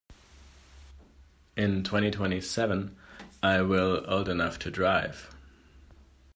In twenty-twenty-seven I will old enough to drive.